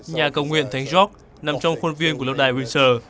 nhà cầu nguyễn stichrock nằm trong khuôn viên của lâu đài windsor